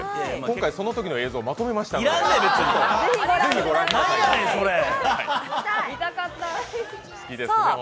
今回、そのときの映像をまとめましたので。